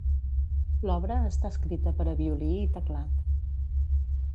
L'obra està escrita per a violí i teclat.